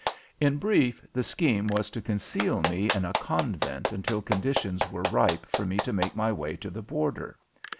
In brief, the scheme was to conceal me in a convent until conditions were ripe for me to make my way to the border.